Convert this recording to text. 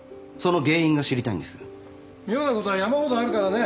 妙なことは山ほどあるからね。